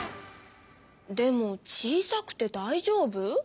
でも小さくてだいじょうぶ？